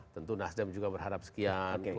tentu nasdem juga berharap sekian